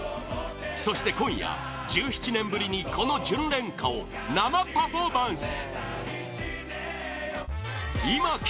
そして今夜、１７年ぶりにこの「純恋歌」を生パフォーマンス！